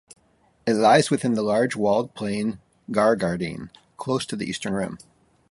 It lies within the large walled plain Gagarin, close to the eastern rim.